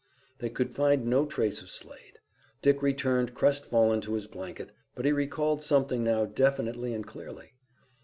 They could find no trace of Slade. Dick returned crestfallen to his blanket, but he recalled something now definitely and clearly.